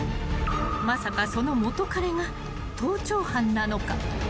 ［まさかその元彼が盗聴犯なのか？］